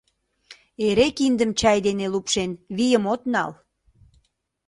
Эре киндым чай дене лупшен, вийым от нал.